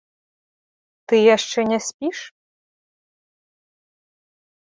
Ты яшчэ не спіш?